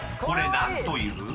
［これ何という？］